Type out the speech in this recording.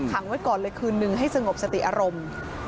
ขังไว้ก่อนเลยคืนนึงให้สงบสติอารมณ์